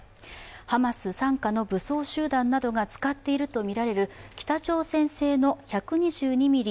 ハマス傘下の武装集団などが使っているとみられる北朝鮮製の１２２ｍｍ